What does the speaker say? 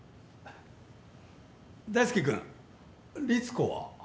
大介君リツコは？